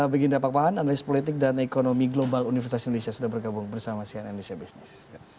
begini dapat paham analis politik dan ekonomi global universitas indonesia sudah bergabung bersama cnn indonesia business